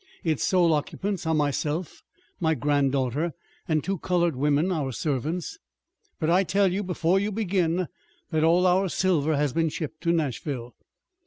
Its sole occupants are myself, my granddaughter, and two colored women, our servants. But I tell you, before you begin, that all our silver has been shipped to Nashville."